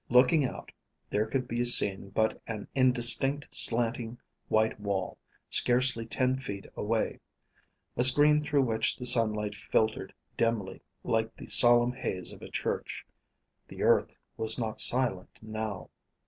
Looking out, there could be seen but an indistinct slanting white wall, scarcely ten feet away: a screen through which the sunlight filtered dimly, like the solemn haze of a church. The earth was not silent, now.